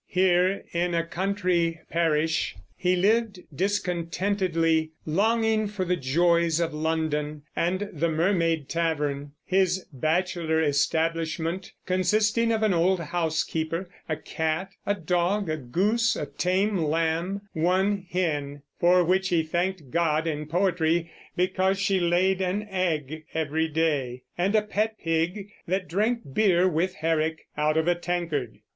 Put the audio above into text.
Here, in a country parish, he lived discontentedly, longing for the joys of London and the Mermaid Tavern, his bachelor establishment consisting of an old housekeeper, a cat, a dog, a goose, a tame lamb, one hen, for which he thanked God in poetry because she laid an egg every day, and a pet pig that drank beer with Herrick out of a tankard.